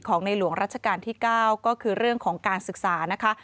ในหลวงรัชกาลที่๙ก็คือเรื่องของการศึกษานะคะ